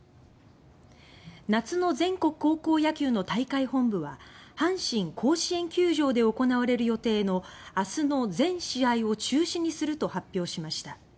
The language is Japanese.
夏の全国高校野球の大会本部は阪神甲子園球場で行われる予定の明日の全試合を中止にすると発表しました。